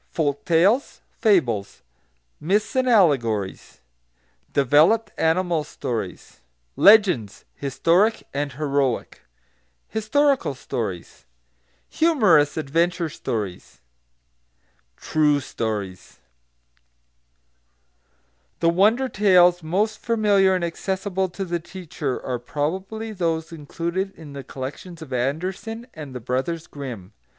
Folk Tales Fables Myths and Allegories Developed Animal Stories Legends: Historic and Heroic Historical Stories Humorous Adventure Stories "True Stories" The wonder tales most familiar and accessible to the teacher are probably those included in the collections of Andersen and the Brothers Grimm.